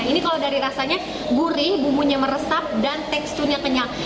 ini kalau dari rasanya gurih bumbunya meresap dan teksturnya kenyang